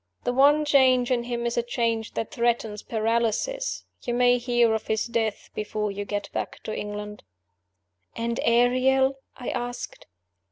"The one change in him is a change that threatens paralysis. You may hear of his death before you get back to England." "And Ariel?" I asked.